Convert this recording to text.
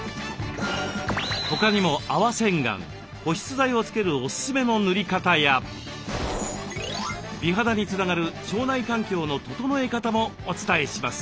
他にも泡洗顔保湿剤をつけるオススメの塗り方や美肌につながる腸内環境の整え方もお伝えします。